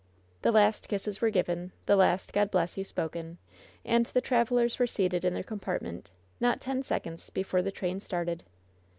The last kisses were given, the last "God bless you" spoken, and the travelers were seated in their compart ment not ten seconds before the train started.